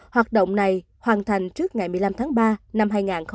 hoạt động này hoàn thành trước ngày một mươi năm tháng ba năm hai nghìn hai mươi